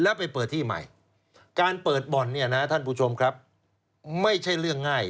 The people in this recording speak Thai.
แล้วไปเปิดที่ใหม่การเปิดบ่อนเนี่ยนะท่านผู้ชมครับไม่ใช่เรื่องง่าย